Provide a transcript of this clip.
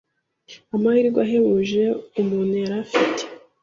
Amahirwe ahebuje umuntu yari afite